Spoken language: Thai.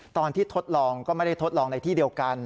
ทดลองก็ไม่ได้ทดลองในที่เดียวกัน